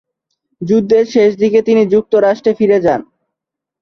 যুদ্ধের শেষ দিকে তিনি যুক্তরাষ্ট্রে ফিরে যান।